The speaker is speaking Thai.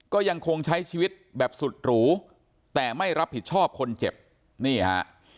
ก็ยังคงใช้ชีวิตแบบสุดหรูแต่ไม่รับผิดชอบคนเจ็บนี่ฮะ